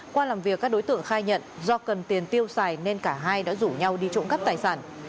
qua làm việc các đối tượng khai nhận do cần tiền tiêu xài nên cả hai đã rủ nhau đi trộm cắp tài sản